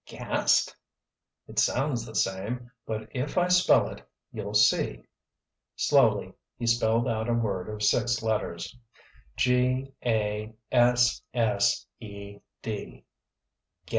"Gast?——" "It sounds the same, but if I spell it you'll see." Slowly he spelled a word of six letters. "G a s s e d."